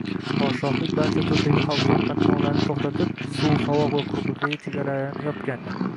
Podshohlik barcha turdagi xalqaro qatnovlarni toʻxtatib, suv, havo va quruqlikdagi chegaralarini yopgandi.